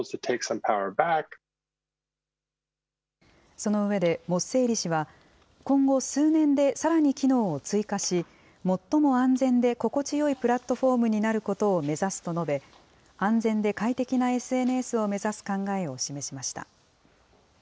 その上でモッセーリ氏は今後、数年でさらに機能を追加し、最も安全で心地よいプラットフォームになることを目指すと述べ、安全で快適なＳＮＳを目指す考えを示しました。